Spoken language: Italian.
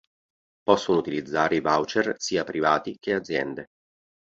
Possono utilizzare i voucher sia privati che aziende.